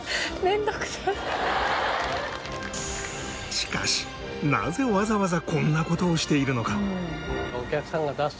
しかしなぜわざわざこんな事をしているのか？